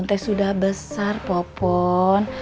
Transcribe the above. teeh sudah besar popon